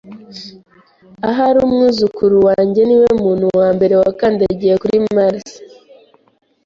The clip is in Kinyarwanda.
Ahari umwuzukuru wanjye niwe muntu wambere wakandagiye kuri Mars.